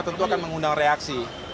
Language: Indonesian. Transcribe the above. tentu akan mengundang reaksi